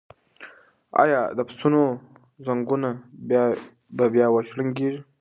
ایا د پسونو زنګونه به بیا وشرنګیږي؟